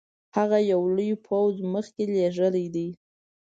هغه یو لوی پوځ مخکي لېږلی دی.